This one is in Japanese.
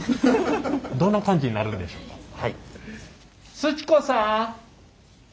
すち子さん。